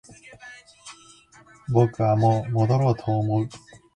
僕はもう戻ろうと思う